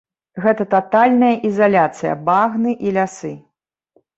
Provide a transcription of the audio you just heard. Гэта татальная ізаляцыя, багны і лясы.